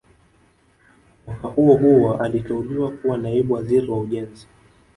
Mwaka huo huo aliteuliwa kuwa Naibu Waziri wa Ujenzi